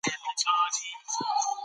که فشار کم وي نو تمرکز زیاتېږي.